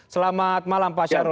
selamat malam pak syahrul